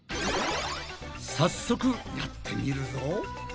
早速やってみるぞ。